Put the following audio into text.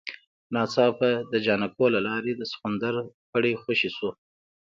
ناڅاپه د جانکو له لاسه د سخوندر پړی خوشی شو.